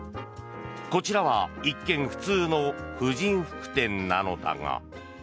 こちらは一見普通の婦人服店なのだが。